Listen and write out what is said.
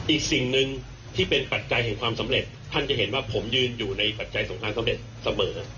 อีกสิ่งหนึ่งที่เป็นปัจจัยแห่งความสำเร็จท่านจะเห็นว่าผมยืนอยู่ในปัจจัยสำคัญสำเร็จเสมอ